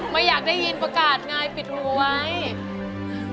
ไม่อยากได้ยินก็การให้นายสิบรั้งวัน